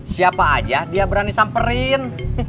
siapa aja dia berani samperin